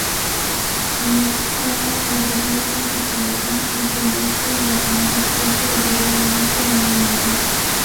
McMahon agregó una estipulación, y Jannetty en la semana siguiente debería unirse a Mr.